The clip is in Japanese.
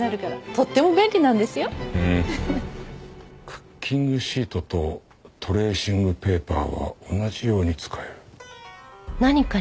クッキングシートとトレーシングペーパーは同じように使える。